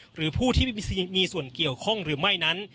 หรือผู้ที่มีส่วนเกี่ยวข้องหรือไม่นั้น